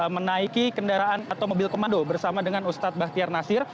menaiki kendaraan atau mobil komando bersama dengan ustadz bahtiar nasir